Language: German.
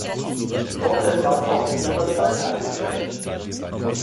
Dorthin war es auch zu jeder Zeit eingekircht.